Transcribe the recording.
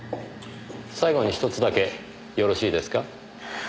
最後にひとつだけよろしいですか？